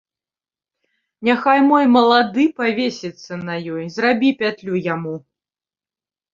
Няхай мой малады павесіцца на ёй, зрабі пятлю яму.